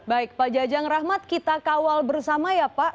baik pak jajang rahmat kita kawal bersama ya pak